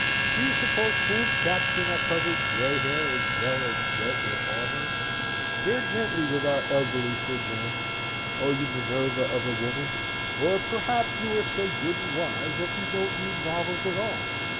do you suppose fools' caps do not cover grey hair, as well as jet or auburn? Bear gently with our elderly fredaines, O you Minerva of a woman! Or perhaps you are so good and wise that you don't read novels at all.